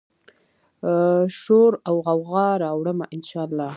شوراوغوغا راوړمه، ان شا الله